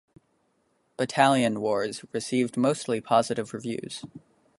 "Battalion Wars" received mostly positive reviews.